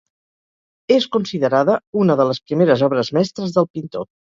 És considerada una de les primeres obres mestres del pintor.